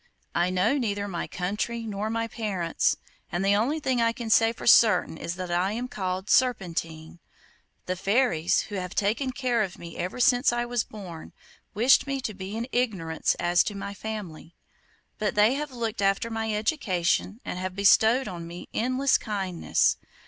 I know neither my country nor my parents, and the only thing I can say for certain is that I am called Serpentine. The fairies, who have taken care of me ever since I was born, wished me to be in ignorance as to my family, but they have looked after my education, and have bestowed on me endless kindness.